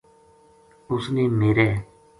اس نے میرے